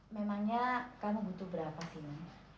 memangnya kamu butuh berapa sih mas